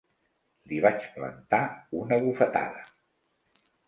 Li vaig plantar una bufetada.